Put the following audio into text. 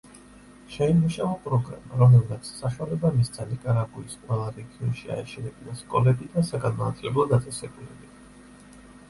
შეიმუშავა პროგრამა, რომელმაც საშუალება მისცა ნიაკრაგუის ყველა რეგიონში აეშენებინა სკოლები და საგანმანათლებლო დაწესებულებები.